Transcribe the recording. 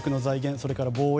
それから防衛